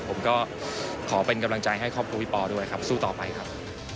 ผมก็ขอเป็นกำลังใจให้ครอบครัวพี่ปอด้วยครับสู้ต่อไปครับ